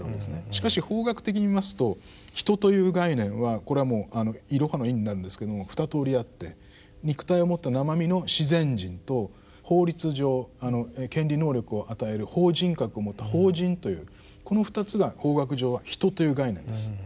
しかし法学的に見ますと「人」という概念はこれはもうイロハのイになるんですけれどもふたとおりあって肉体を持った生身の自然人と法律上権利能力を与える法人格を持った法人というこの２つが法学上は「人」という概念です。